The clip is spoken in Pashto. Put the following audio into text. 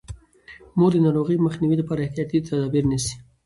مور د ناروغۍ مخنیوي لپاره احتیاطي تدابیر نیسي.